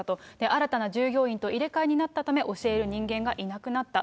新たな従業員と入れ替えになったため、教える人間がいなくなった。